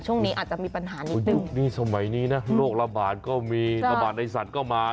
ช่วงนี้อาจจะมีปัญหานี้ยุคนี้สมัยนี้นะโรคระบาดก็มีระบาดในสัตว์ก็มา